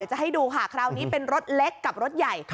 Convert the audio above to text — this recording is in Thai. จะให้ดูค่ะคราวนี้เป็นรถเล็กกับรถใหญ่